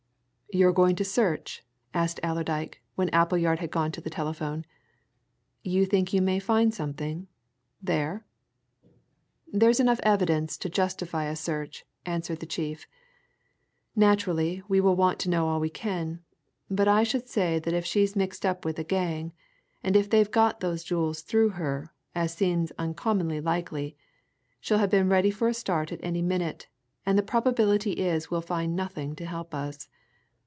"You're going to search?" asked Allerdyke when Appleyard had gone to the telephone. "You think you may find something there?" "There's enough evidence to justify a search," answered the chief. "Naturally we want to know all we can. But I should say that if she's mixed up with a gang, and if they've got those jewels through her as seems uncommonly likely she'll have been ready for a start at any minute, and the probability is we'll find nothing to help us.